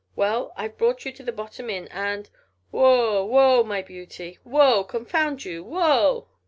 Well, I've brought you to th' Bottom Inn and.... Whoa! Whoa! my beauty! Whoa, confound you! Whoa!"